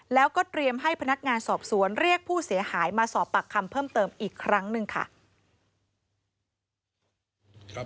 แล้วก็เตรียมให้พนักงานสอบสวนเรียกผู้เสียหายมาสอบปากคำเพิ่มเติมอีกครั้งหนึ่งค่ะ